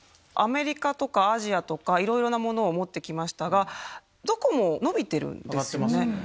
アメリカとかアジアとか、いろいろなものを持ってきましたが、どこも伸びてるんですよね。